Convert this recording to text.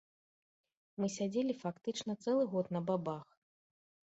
Мы сядзелі фактычна цэлы год на бабах.